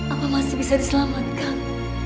apa masih bisa diselamatkan